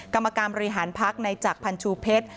กรรมกรรมรีหาพรรคในจักรพันชุเพศ